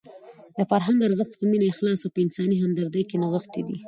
د فرهنګ ارزښت په مینه، اخلاص او په انساني همدردۍ کې نغښتی دی.